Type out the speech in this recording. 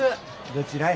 どちらへ？